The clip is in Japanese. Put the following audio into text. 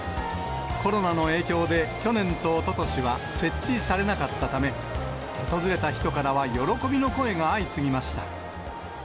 コロナの影響で去年とおととしは設置されなかったため、訪れた人からは喜びの声が相次ぎました。